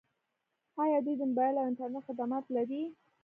آیا دوی د موبایل او انټرنیټ خدمات نلري؟